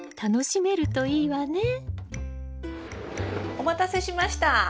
お待たせしました！